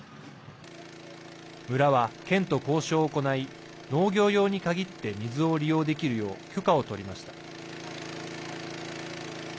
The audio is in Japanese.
村は、県と交渉を行い農業用に限って水を利用できるよう許可を取りました。